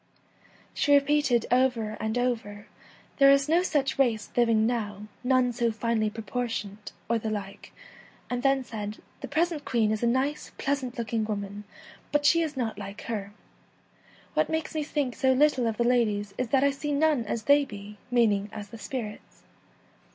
She repeated over and over, 1 There is no such race living now, none so finely proportioned,' or the like, and then said, ' The present Queen l is a nice, pleasant looking woman, but she is not like her. What makes me think so little of the ladies is that I see none as they be,' meaning as the spirits.